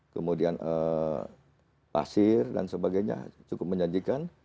kemudian pasir dan sebagainya cukup menjanjikan